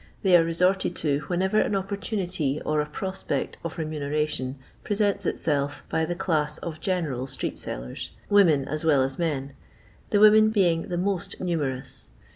They are resorted to whenever an opportunity or a prospect of remuneration presents itself by the class of general street sellers, women as well as men — the women being the most numerous.